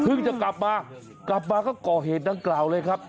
จะกลับมากลับมาก็ก่อเหตุดังกล่าวเลยครับ